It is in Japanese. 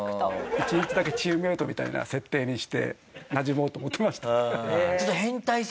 １日だけチームメートみたいな設定にしてなじもうと思ってました。